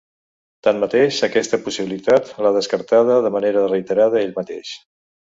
Tanmateix, aquesta possibilitat l’ha descartada de manera reiterada ell mateix.